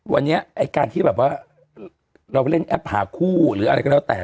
วันนี้ไอ้การที่แบบว่าเราเล่นแอปหาคู่หรืออะไรก็แล้วแต่